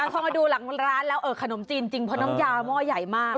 พอมาดูหลังร้านแล้วขนมจีนจริงเพราะน้ำยาหม้อใหญ่มาก